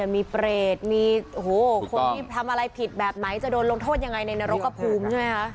มีเปรตมีคนที่ทำอะไรผิดแบบไหนจะโดนลงโทษยังไงในนรกกระภูมิใช่ไหมคะ